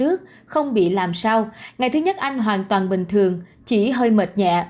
anh không bị làm sao ngày thứ nhất anh hoàn toàn bình thường chỉ hơi mệt nhẹ